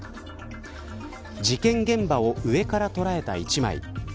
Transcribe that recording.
事件現場を上から捉えた一枚。